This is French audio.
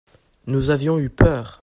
Nous avions eu peur.